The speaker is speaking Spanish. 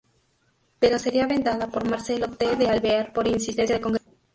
Pero sería vetada por Marcelo T. de Alvear por insistencia del Congreso.